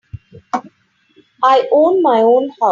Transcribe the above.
I own my own house.